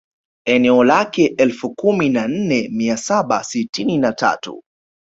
Eneo lake elfu kumi na nne mia saba sitini na tatu